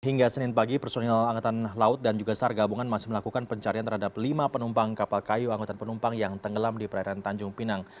hingga senin pagi personil angkatan laut dan juga sar gabungan masih melakukan pencarian terhadap lima penumpang kapal kayu angkutan penumpang yang tenggelam di perairan tanjung pinang